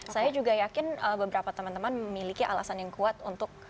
saya juga yakin beberapa teman teman memiliki alasan yang kuat untuk